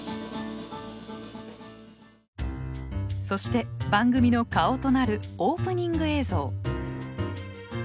そして番組の顔となるオープニング映像。